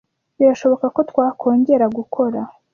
birashoboka ko twakongera gukora